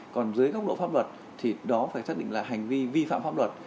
còn dưới góc độ pháp luật thì đó phải xác định là hành vi vi phạm pháp luật